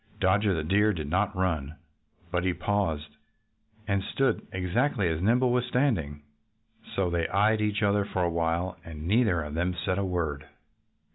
Dodger the Deer did not run. But he paused and stood exactly as Nimble was standing. So they eyed each other for a while. And neither of them said a word.